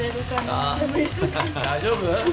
大丈夫？